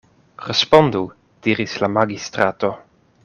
Respondu, diris la magistrato.